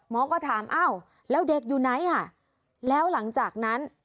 หมอก็ถามอ้าวแล้วเด็กอยู่ไหนอ่ะแล้วหลังจากนั้น